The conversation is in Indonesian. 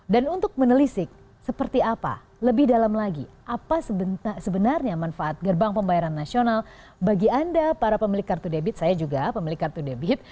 dan untuk menelisik seperti apa lebih dalam lagi apa sebenarnya manfaat gerbang pembayaran nasional bagi anda para pemilik kartu debit saya juga pemilik kartu debit